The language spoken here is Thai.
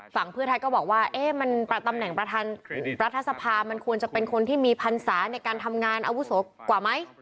เพื่อไทยก็บอกว่าตำแหน่งประธานรัฐสภามันควรจะเป็นคนที่มีพรรษาในการทำงานอาวุโสกว่าไหม